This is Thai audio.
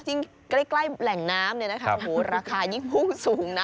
ใกล้แหล่งน้ำเนี่ยนะคะโอ้โหราคายิ่งพุ่งสูงนะ